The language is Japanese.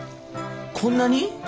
こんなに？